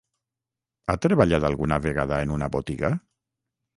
Ha treballat alguna vegada en una botiga?